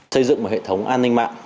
xây dựng một hệ thống an ninh mạng